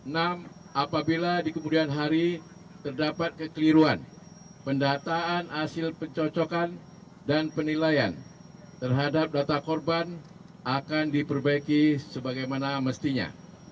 apabila di kemudian hari terdapat kekeliruan pendataan hasil pencocokan dan penilaian terhadap data korban akan diperbaiki sebagaimana mestinya